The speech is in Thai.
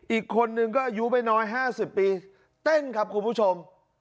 อีกคนนึงก็อายุไม่น้อย๕๐ปีเต้นครับคุณผู้ชม